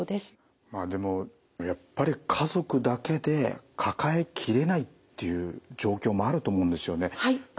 でもやっぱり家族だけで抱え切れないっていう状況もあると思うんですよね。